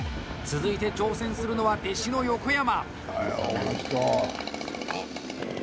続いて挑戦するのは弟子の横山。